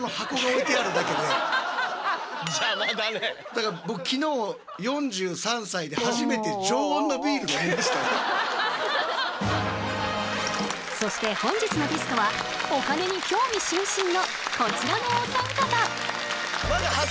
だから今そして本日のゲストはお金に興味津々のこちらのお三方。